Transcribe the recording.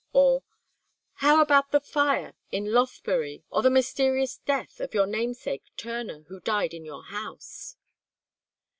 or "How about the fire in Lothbury, or the mysterious death of your namesake Turner, who died in your house?"